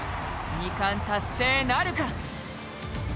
２冠達成なるか。